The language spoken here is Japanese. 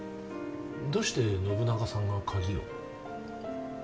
どうして信長さんが鍵を？